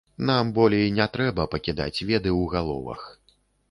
Нам болей не трэба пакідаць веды ў галовах.